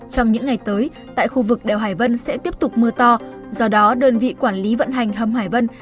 trong những ngày tới tại khu vực đèo hải vân sẽ tiếp tục mưa to do đó đơn vị quản lý vận hành hầm hải vân